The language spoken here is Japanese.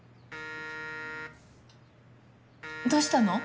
どうしたの？